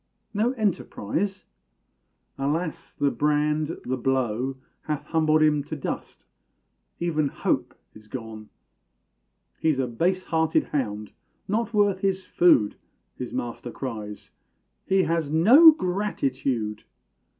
No enterprise? Alas! the brand, the blow, Hath humbled him to dust even hope is gone! "He's a base hearted hound not worth his food" His master cries; "he has no gratitude!"